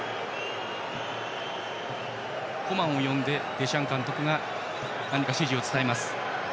コマンを呼んでデシャン監督が指示を伝えます。